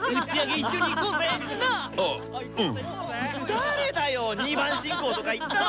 誰だよ２番信仰とか言ったの。